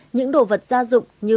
những đồ vật gia dụng như